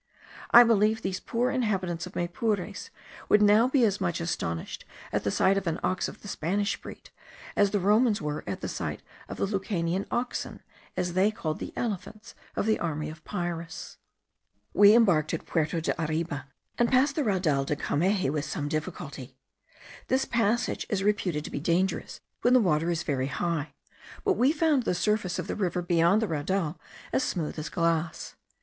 I believe these poor inhabitants of Maypures would now be as much astonished at the sight of an ox of the Spanish breed, as the Romans were at the sight of the Lucanian oxen, as they called the elephants of the army of Pyrrhus. We embarked at Puerto de Arriba, and passed the Raudal de Cameji with some difficulty. This passage is reputed to be dangerous when the water is very high; but we found the surface of the river beyond the raudal as smooth as glass.